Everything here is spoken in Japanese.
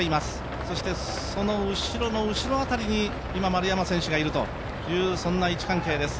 そしてその後ろの後ろ辺りに今、丸山選手がいるとそんな位置関係です。